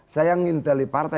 saya yang nginteli partai